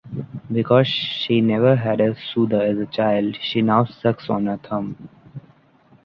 Because she never had a soother as a child, she now sucks on her thumb.